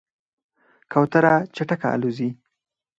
کوتره چټکه الوزي.